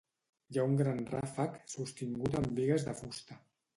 Hi ha un gran ràfec sostingut amb bigues de fusta.